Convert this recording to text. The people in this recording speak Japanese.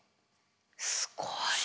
すごい。